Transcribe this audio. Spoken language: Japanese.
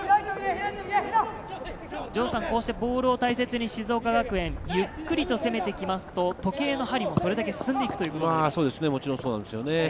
こうしてボールを大切に静岡学園、ゆっくりと攻めて行きますと、時計の針もそれだけ進んで行くということですね。